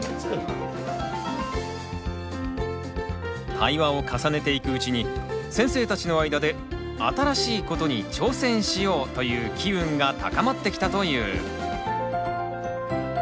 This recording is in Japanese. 対話を重ねていくうちに先生たちの間で「新しいことに挑戦しよう」という機運が高まってきたという。